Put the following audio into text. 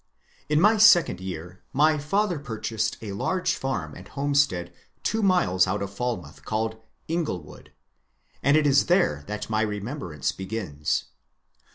In my second year my father purchased a large farm and homestead two miles out of Falmouth called ^^ Inglewood," and it is there that my remembrance begins.